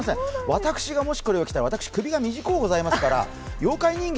私がもしこれを着たら、私、首が短うございますから妖怪人間